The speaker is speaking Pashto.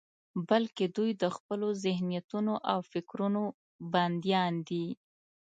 بلکې دوی د خپلو ذهنيتونو او فکرونو بندیان دي.